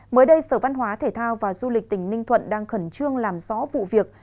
mới đây sở văn hóa thể thao và du lịch tỉnh ninh thuận đang khẩn trương làm rõ vụ việc